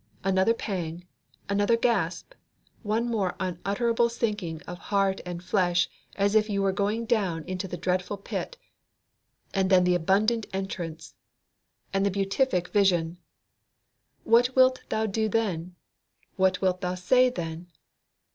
Another pang, another gasp, one more unutterable sinking of heart and flesh as if you were going down into the dreadful pit and then the abundant entrance, and the beatific vision! What wilt thou do then? What wilt thou say then?